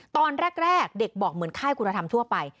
ตอนแรกเด็กบอกเหมือนค่ายคุณธรรมทั่วไป